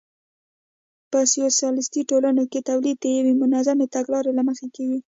په سوسیالیستي ټولنو کې تولید د یوې منظمې تګلارې له مخې کېږي